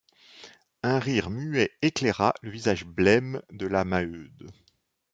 Un rire muet éclaira le visage blême de la Maheude.